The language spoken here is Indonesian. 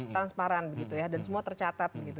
transparan dan semua tercatat